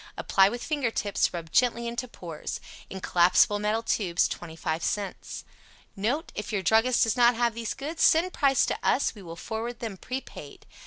Apply with finger tips, rub gently into pores. In collapsible metal tubes, 25 cents. NOTE. If your druggist does not have these goods, send price to us. We will forward them prepaid.